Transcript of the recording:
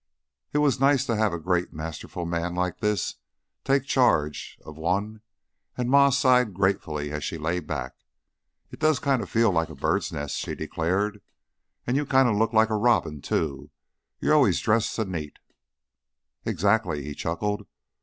It was nice to have a great, masterful man like this take charge of one, and Ma sighed gratefully as she lay back. "It does kinda feel like a bird's nest," she declared. "And you kinda look like a robin, too; you're allus dressed so neat." "Exactly," he chuckled.